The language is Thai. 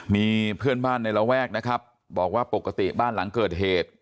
มีเพื่อนบ้านในระแวกนะครับบอกว่าปกติบ้านหลังเกิดเหตุ